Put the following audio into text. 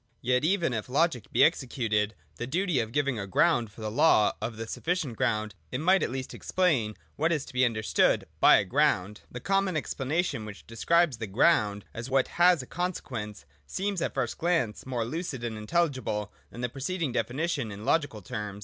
Yet even if logic be excused the duty of giving a ground for the law of the sufficient ground, it might at least explain VOL. II. Q 226 THE DOCTRINE OF ESSENCE. [121. what is to be understood by a ground. The common ex planation, which describes the ground as what has a conse quence, seems at the first glance more lucid and intelligible than the preceding definition in logical terms.